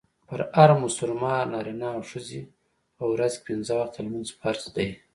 پر هر مسلمان نارينه او ښځي په ورځ کي پنځه وخته لمونځ فرض دئ.